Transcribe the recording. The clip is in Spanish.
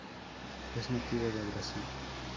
Es nativo de Brasil.